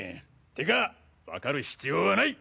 てかわかる必要はない。